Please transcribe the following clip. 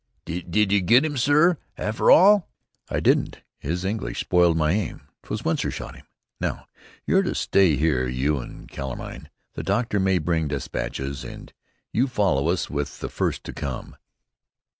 "Did ye get him, sorr, afther all?" "I didn't. His English spoiled my aim. 'Twas Winsor shot him. Now, you're to stay here, you and Kilmaine. The doctor may bring despatches, and you follow us with the first to come."